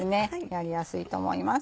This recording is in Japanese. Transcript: やりやすいと思います。